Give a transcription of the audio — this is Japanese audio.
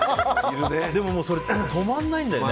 でも止まらないんだよね。